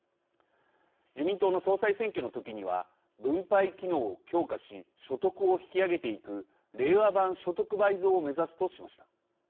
自民党の総裁選挙のときには分配機能を強化し所得を引き上げていく令和版所得倍増を目指すとしました。